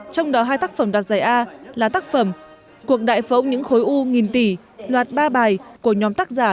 trong đó hai tác phẩm đoạt giải a là tác phẩm cuộc đại phẫu những khối u nghìn tỷ loạt ba bài của nhóm tác giả